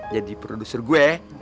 jadi produser gue